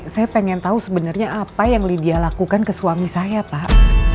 saya pengen tahu sebenarnya apa yang lydia lakukan ke suami saya pak